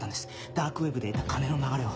ダークウェブで得た金の流れを。